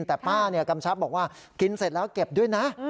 แต่ป้ากำชับบอกว่ากินเสร็จแล้วเก็บด้วยนะ